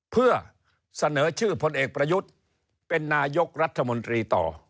เพื่อเสนอชื่อพลเอกประยุทธ์เป็นนายกรัฐมนตรีต่อ